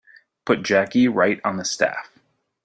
Put Jackie right on the staff.